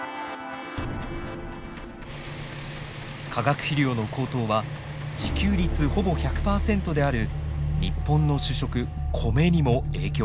化学肥料の高騰は自給率ほぼ１００％である日本の主食コメにも影響を与えます。